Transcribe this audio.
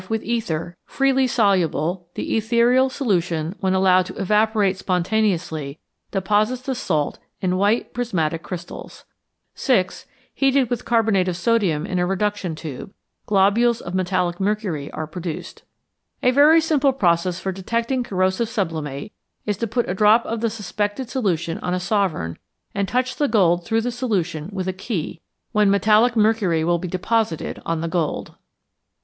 With ether Freely soluble; the ethereal solution, when allowed to evaporate spontaneously, deposits the salt in white prismatic crystals. 6. Heated with carbonate of Globules of metallic mercury are sodium in a reduction tube produced. A very simple process for detecting corrosive sublimate is to put a drop of the suspected solution on a sovereign and touch the gold through the solution with a key, when metallic mercury will be deposited on the gold.